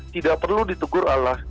tidak perlu ditugur alas